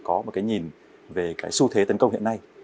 có một nhìn về xu thế tấn công hiện nay